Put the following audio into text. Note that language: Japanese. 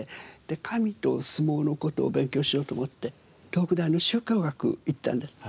神と相撲の事を勉強しようと思って東北大の宗教学行ったんです。